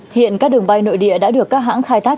hiện các đường bay nội địa đã được các hãng khai thác